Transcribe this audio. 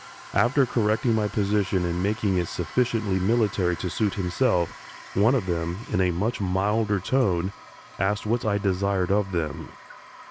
After correcting my position and making it sufficiently military to suit himself, one of them, in a much milder tone, asked what I desired of them.